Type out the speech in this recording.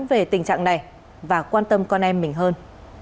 về tình trạng này và quan tâm con em mình hơn